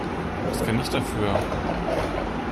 Was kann ich dafür?